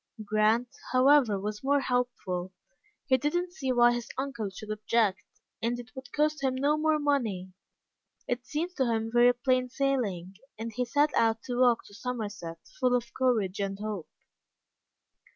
Grant, however, was more hopeful. He didn't see why his uncle should object, and it would cost him no more money. It seemed to him very plain sailing, and he set out to walk to Somerset, full of courage and hope.